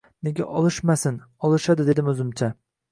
Nega olishmasin, olishadi dedim oʻzimcha